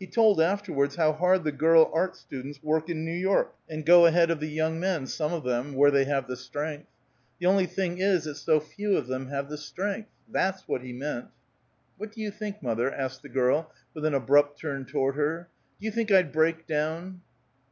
He told afterwards how hard the girl art students work in New York, and go ahead of the young men, some of them where they have the strength. The only thing is that so few of them have the strength. That's what he meant." "What do you think, mother?" asked the girl with an abrupt turn toward her. "Do you think I'd break down?"